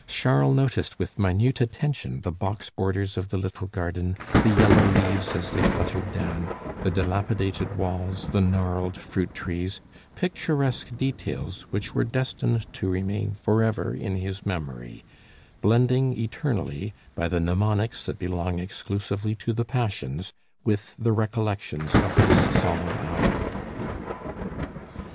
Charles noticed with minute attention the box borders of the little garden, the yellow leaves as they fluttered down, the dilapidated walls, the gnarled fruit trees, picturesque details which were destined to remain forever in his memory, blending eternally, by the mnemonics that belong exclusively to the passions, with the recollections of this solemn hour.